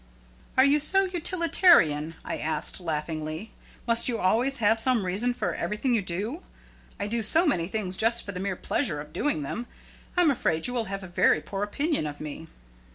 "Are you so utilitarian?" I asked, laughingly. "Must you always have some reason for everything you do? I do so many things just for the mere pleasure of doing them, I'm afraid you will have a very poor opinion of me."